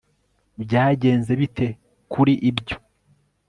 byagenze bite kuri ibyo